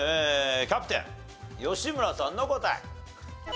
キャプテン吉村さんの答え。